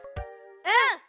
うん！